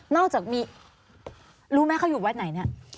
อกจากมีรู้ไหมเขาอยู่วัดไหนเนี่ย